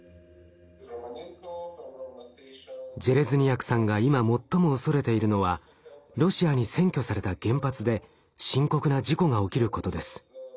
ジェレズニヤクさんが今最も恐れているのはロシアに占拠された原発で深刻な事故が起きることです。